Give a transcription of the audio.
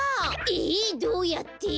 えっどうやって？